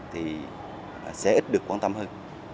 thì sẽ ít được quan tâm hơn